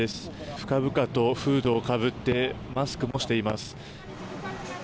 深々とフードをかぶってマスクもしています。